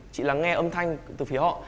chị lắng nghe âm thanh từ phía họ